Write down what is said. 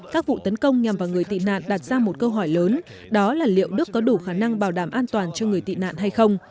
các vụ tấn công nhằm vào người tị nạn đặt ra một câu hỏi lớn đó là liệu đức có đủ khả năng bảo đảm an toàn cho người tị nạn hay không